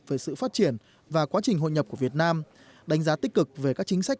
về sự phát triển và quá trình hội nhập của việt nam đánh giá tích cực về các chính sách